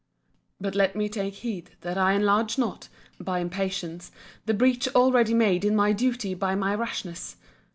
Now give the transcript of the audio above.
But let me take heed that I enlarge not, by impatience, the breach already made in my duty by my rashness!